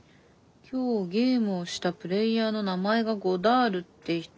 今日ゲームをしたプレーヤーの名前がゴダールって人だった。